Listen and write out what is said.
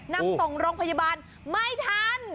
นำส่งโรงพยาบาลไม่ทัน